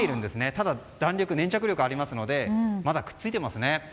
ただ、弾力や粘着力があるのでまだくっついていますね。